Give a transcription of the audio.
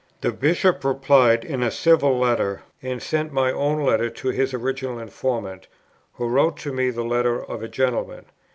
The Bishop replied in a civil letter, and sent my own letter to his original informant, who wrote to me the letter of a gentleman.